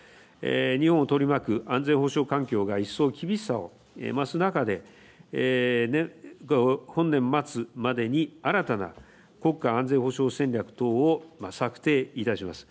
日本を取り巻く安全保障環境が一層厳しさを増す中で本年末までに、新たな国家安全保障戦略等を策定いたします。